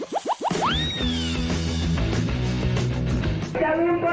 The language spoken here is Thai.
อย่าลืมว่าไหลแพ้ลงรัฐาแล้วเว้ยไป